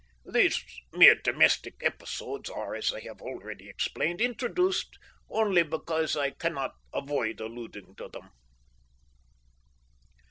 These mere domestic episodes are, as I have already explained, introduced only because I cannot avoid alluding to them.